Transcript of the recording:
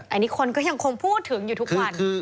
อันนี้คนก็ยังคงพูดถึงอยู่ทุกวัน